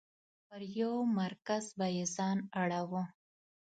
پر یو مرکز به یې ځان اړوه.